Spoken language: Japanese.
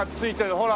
ほら。